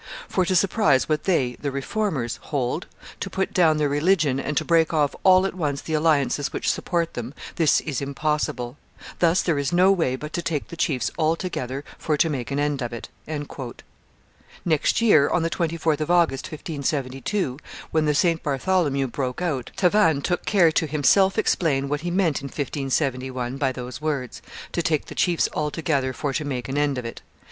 For to surprise what they (the Reformers) hold, to put down their religion, and to break off all at once the alliances which support them this is impossible. Thus there is no way but to take the chiefs all together for to make an end of it." Next year, on the 24th of August, 1572, when the St. Bartholomew broke out, Tavannes took care to himself explain what he meant in 1571 by those words, to take the chiefs all together for to make an end of it.